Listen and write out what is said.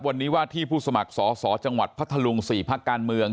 วันนี้ว่าที่ผู้สมัครสอสอจังหวัดพัทธลุง๔ภาคการเมือง